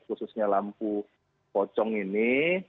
khususnya lampu pocong ini